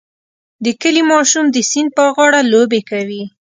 د کلي ماشوم د سیند په غاړه لوبې کوي.